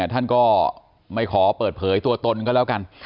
ท่านก็ไม่ขอเปิดเผยตัวตนก็แล้วกัน